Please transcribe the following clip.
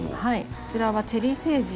こちらはチェリーセージ。